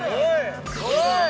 おい！